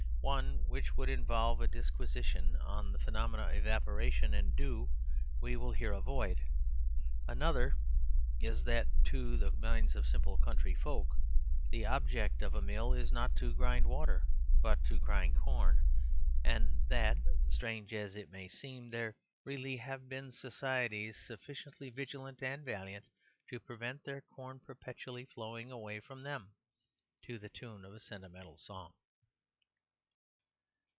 One (which would involve a disquisition on the phenomena of Evaporation and Dew) we will here avoid. Another is, that to the minds of simple country folk, the object of a mill is not to grind water, but to grind corn, and that (strange as it may seem) there really have been societies sufficiently vigilant and valiant to prevent their corn perpetually flowing away from them, to the tune of a sentimental song.